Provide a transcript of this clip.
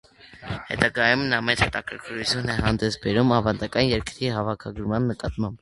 Հետագայում նա մեծ հետաքրքրություն է հանդես բերում ավանդական երգերի հավաքագրման նկատմամբ։